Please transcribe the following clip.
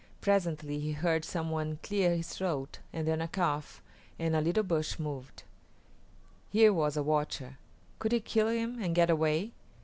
Presently he heard some one clear his throat and then a cough, and a little bush moved. Here was a watcher. Could he kill him and get away?